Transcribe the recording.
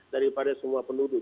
daripada semua penduduk